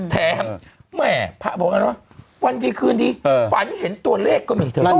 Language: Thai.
แถมก็พระบอกกันว่าวันที่คืนที่ฝ่ายุ่งเห็นตัวเลขก็มีเท่าไร